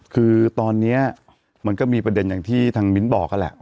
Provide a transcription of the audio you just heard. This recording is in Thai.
คือตอนนี้มันก็มีประเด็นอย่างที่ทางมิ้นบอกนั่นแหละ